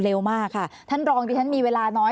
แล้วมากท่านลองเดทานมีเวลาน้อย